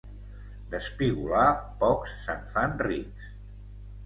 D'espigolar, pocs se'n fan rics.